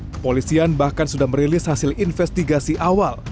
kepolisian bahkan sudah merilis hasil investigasi awal